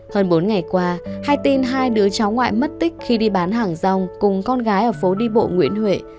hơn bốn ngày qua hay tin hai đứa cháu ngoại mất tích khi đi bán hàng rong cùng con gái ở phố đi bộ nguyễn huệ